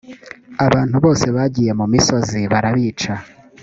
abantu bose bagiye mu misozi barabica